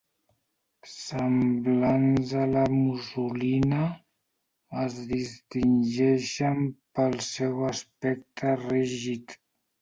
Semblants a la mussolina, es distingeixen pel seu aspecte rígid.